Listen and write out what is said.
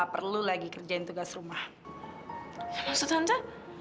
pergi gitu deh sama pacarnya